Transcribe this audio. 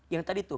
yang tadi tuh